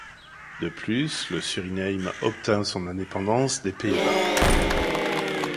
De plus, le Suriname obtint son indépendance des Pays-Bas.